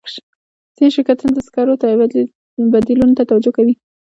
ځینې شرکتونه د سکرو بدیلونو ته توجه کوي.